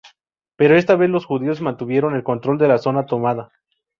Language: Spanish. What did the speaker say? Pero esta vez los judíos mantuvieron el control de la zona tomada.